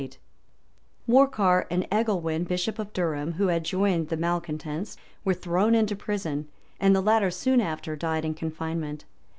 Earl Morcar, and Egelwin, bishop of Durham, who had joined the malecontents, were thrown into prison, and the latter soon after died in confinement.